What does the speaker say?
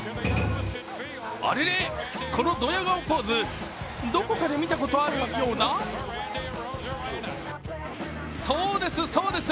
あれれ、このドヤ顔ポーズどこかで見たことあるようなそうです、そうです！